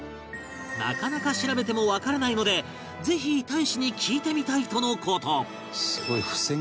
なかなか調べてもわからないのでぜひ大使に聞いてみたいとの事